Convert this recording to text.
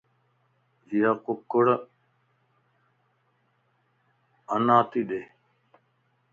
ايا ڪڪڙ ھنڊا تي ڏي